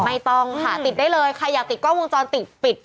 ไม่ต้องค่ะติดได้เลยใครอยากติดกล้องวงจรปิดปิด